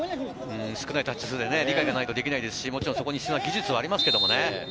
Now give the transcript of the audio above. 少ないタッチ数で理解がないとできないですし、技術はありますけどね。